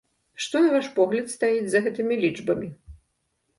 Што, на ваш погляд, стаіць за гэтымі лічбамі?